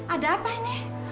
ada apa ini